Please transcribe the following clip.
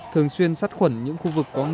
thường xuyên sắt khuẩn những khu vực có nhiều